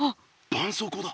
ばんそうこうだ。